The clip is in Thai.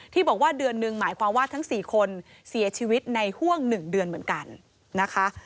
บอกว่าเดือนหนึ่งหมายความว่าทั้ง๔คนเสียชีวิตในห่วง๑เดือนเหมือนกันนะคะ